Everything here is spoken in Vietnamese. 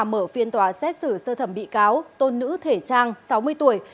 mở phiên tòa xét xử sơ thẩm bị cáo tôn nữ thể trang sáu mươi tuổi